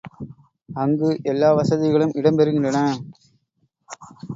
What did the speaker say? அங்கு எல்லா வசதிகளும் இடம் பெறுகின்றன.